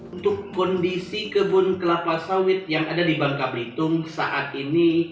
untuk kondisi kebun kelapa sawit yang ada di bangka belitung saat ini